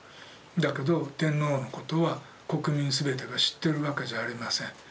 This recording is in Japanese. だけど天皇のことは国民すべてが知ってるわけじゃありません。